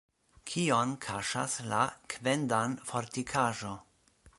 Kion kaŝas la Kvendan-fortikaĵo?